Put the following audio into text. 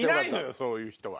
そういう人は。